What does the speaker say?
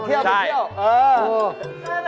ไปเที่ยว